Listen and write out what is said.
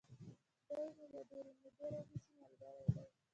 دی مې له ډېرې مودې راهیسې ملګری دی.